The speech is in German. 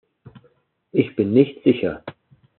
Ich bin nicht sicher.